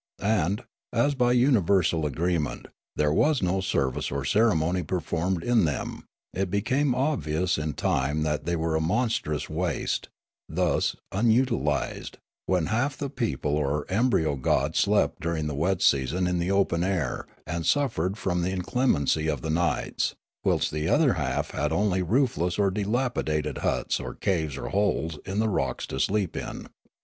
And, as b}' universal agreement there was no service or ceremony performed in them, it became obvious in time that they were a monstrous waste, thus unutilised, when half the people or embryo gods slept during the wet season in the open air and suffered from the in clemency of the nights, whilst the other half had only roofless or dilapidated huts, or caves or holes in the rocks to sleep in.